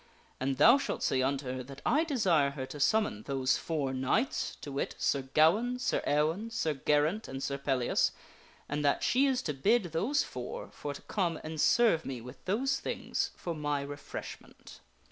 And thou shalt say unto her that I desire her to summon those four knights to wit, Sir Gawaine, Sir Ewaine, Sir Geraint, and Sir Pellias and that she is to bid those four for to come and serve me with those things for my refreshment.